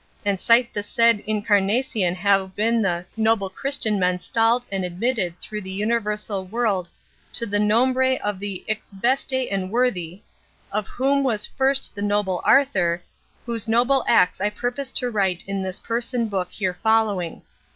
And sythe the sayd Incarnacyon haue ben the noble crysten men stalled and admytted thorugh the vnyuersal world to the nombre of the ix beste and worthy, of whome was fyrst the noble Arthur, whose noble actes I purpose to wryte in this person book here folowyng.